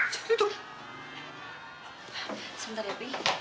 sebentar ya bi